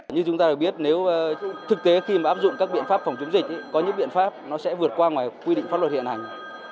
như chúng ta đã biết thực tế khi áp dụng các biện pháp phòng chống dịch có những biện pháp sẽ vượt qua ngoài quy định pháp luật hiện hành